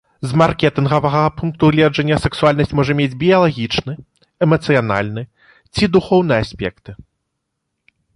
З маркетынгавага пункту гледжання сексуальнасць можа мець біялагічны, эмацыянальны ці духоўны аспекты.